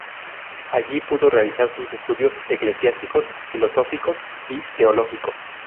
Allí pudo realizar sus estudios eclesiásticos, filosóficos y teológicos.